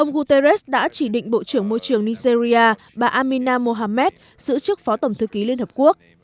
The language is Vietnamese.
ông guterres đã chỉ định bộ trưởng môi trường nigeria bà amina mohammed giữ chức phó tổng thư ký liên hợp quốc